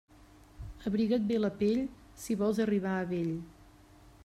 Abriga't bé la pell, si vols arribar a vell.